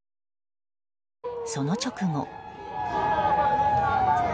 その直後。